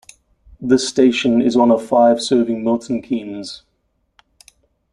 This station is one of five serving Milton Keynes.